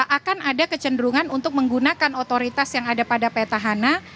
akan ada kecenderungan untuk menggunakan otoritas yang ada pada petahana